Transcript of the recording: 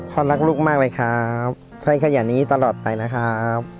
พ่อรักลูกมากเลยครับใช้ขยะนี้ตลอดไปนะครับ